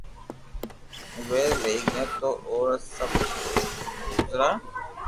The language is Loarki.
اووي لئي گيو تو را سب اورزا